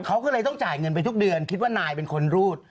เขาก็เลยต้องจ่ายเงินไปทุกเดือนคิดว่านายเป็นคนรูด